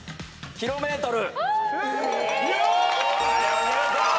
「キロメートル」！